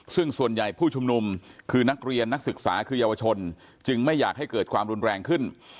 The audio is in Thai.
ซึ่งส่วนใหญ่ผู้ชุมนุมคือนักเรียนนักศึกษาคือเยาวชนจึงไม่อยากให้เกิดความรุนแรงขึ้น